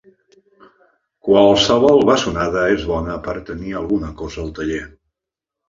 Qualsevol bessonada és bona per tenir alguna cosa al taller.